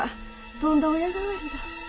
とんだ親代わりだ。